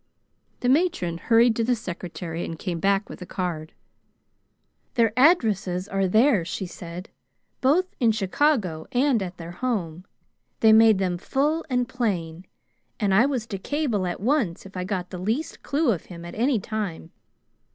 The matron hurried to the secretary and came back with a card. "Their addresses are there," she said. "Both in Chicago and at their home. They made them full and plain, and I was to cable at once if I got the least clue of him at any time.